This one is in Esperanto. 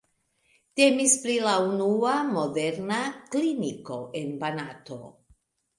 Temis pri la unua modernak kliniko en Banato.